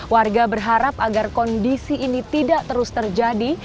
warga berharap agar kondisi ini tidak terus terjadi